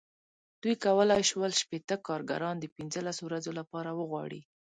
دوی کولای شول شپېته کارګران د پنځلسو ورځو لپاره وغواړي.